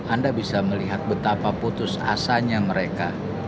anda bisa melihat betapa putus asanya mereka